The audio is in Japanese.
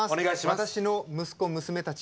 私の息子娘たち。